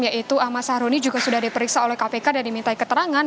yaitu ahmad sahruni juga sudah diperiksa oleh kpk dan dimintai keterangan